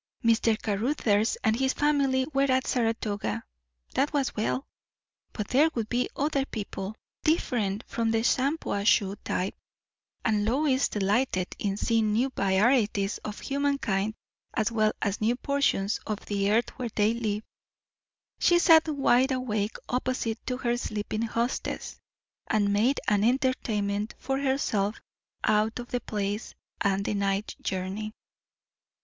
Mr. Caruthers and his family were at Saratoga, that was well; but there would be other people, different from the Shampuashuh type; and Lois delighted in seeing new varieties of humankind as well as new portions of the earth where they live. She sat wide awake opposite to her sleeping hostess, and made an entertainment for herself out of the place and the night journey.